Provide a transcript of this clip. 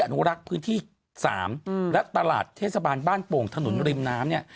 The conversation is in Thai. อนุรักษ์พื้นที่๓และตลาดเทศบาลบ้านโป่งถนนริมน้ำเนี่ย